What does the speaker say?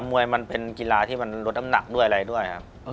มวยมันเป็นกีฬาที่มันลดน้ำหนักด้วยอะไรด้วยครับ